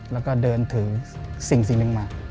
แล้วก็เดินถือสิ่งหนึ่งมา